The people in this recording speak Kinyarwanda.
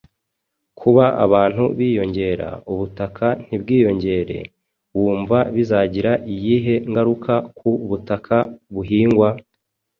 Kuba abantu biyongera, ubutaka ntibwiyongere wumva bizagira iyihe ngaruka ku butaka buhingwa?